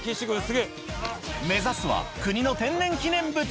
目指すは国の天然記念物。